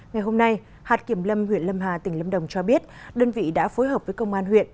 ngày hôm nay hạt kiểm lâm huyện lâm hà tỉnh lâm đồng cho biết đơn vị đã phối hợp với công an huyện